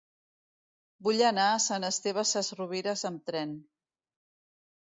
Vull anar a Sant Esteve Sesrovires amb tren.